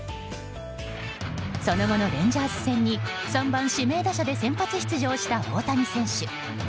その後のレンジャーズ戦に３番指名打者で先発出場した大谷選手。